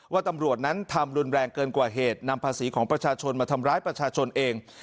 ว่าตำรวจนั้นทำรุนแรงเกินกว่าเหตุนำภาษีของประชาชนมาทำร้ายประชาชนเอง